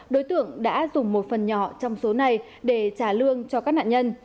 đối tượng đã dùng một phần nhỏ trong số này để trả lương cho các nạn nhân